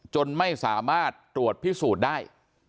จนไม่สามารถตรวจพิสูจน์ได้